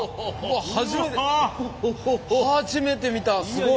初めて初めて見たすごい。